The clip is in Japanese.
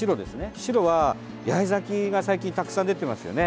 白は八重咲きが最近たくさん出ていますよね。